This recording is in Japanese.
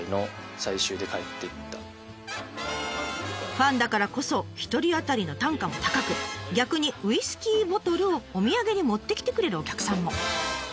ファンだからこそ一人当たりの単価も高く逆にウイスキーボトルをお土産に持ってきてくれるお客さんも。